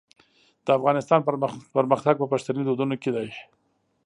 د افغانستان پرمختګ په پښتني دودونو کې دی.